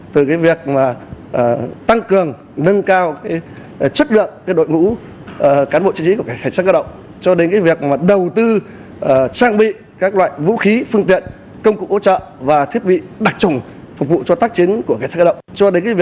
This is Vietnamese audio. từ việc tăng cường nâng cao chất lượng đội ngũ cán bộ chiến sĩ của cảnh sát cơ động cho đến việc đầu tư trang bị các loại vũ khí phương tiện công cụ hỗ trợ và thiết bị đặc trùng phục vụ cho tác chiến của cảnh sát cơ động